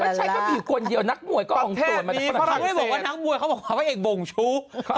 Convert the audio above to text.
ไม่ใช่ประฉะก็มีคนเดียวนักมวยก็อ้องตวนมาพรางเศส